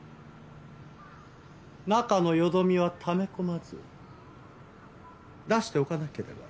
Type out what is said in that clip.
中の淀みはため込まず出しておかなければ。